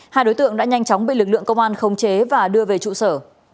hai đối tượng đã nhanh chóng bị lực lượng công an khống chế và đưa về trụ sở